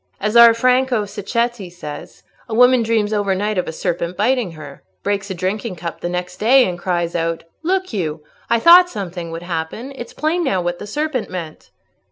As our Franco Sacchetti says, a woman dreams over night of a serpent biting her, breaks a drinking cup the next day, and cries out, 'Look you, I thought something would happen—it's plain now what the serpent meant.